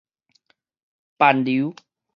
攀留